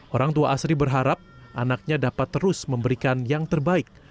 orang tua asri berharap anaknya dapat terus memberikan yang terbaik